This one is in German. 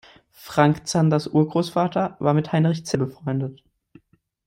Frank Zanders Urgroßvater war mit Heinrich Zille befreundet.